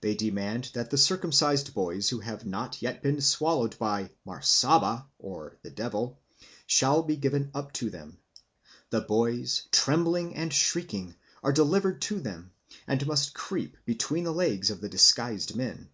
They demand that the circumcised boys who have not yet been swallowed by Marsaba (the devil) shall be given up to them. The boys, trembling and shrieking, are delivered to them, and must creep between the legs of the disguised men.